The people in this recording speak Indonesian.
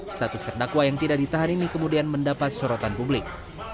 status terdakwa yang tidak ditahan ini kemudian mendapat sorotan publik